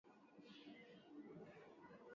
za eneo la Algeria upande wa kaskazini